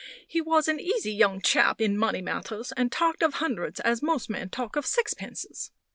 He was an easy young chap in money matters, and talked of hundreds as most men talk of sixpences.